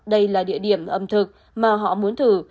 đây là địa điểm ẩm thực mà họ muốn thử